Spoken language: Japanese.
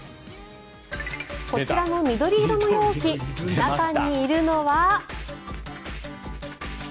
こちらの緑色の容器中にいるのは。